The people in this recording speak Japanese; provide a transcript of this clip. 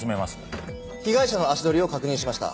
被害者の足取りを確認しました。